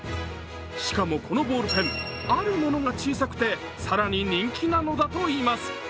しかもこのボールペン、あるものが小さくて更に人気なのだといいます。